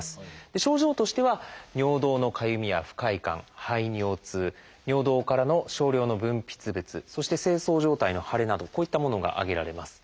症状としては尿道のかゆみや不快感排尿痛尿道からの少量の分泌物そして精巣上体の腫れなどこういったものが挙げられます。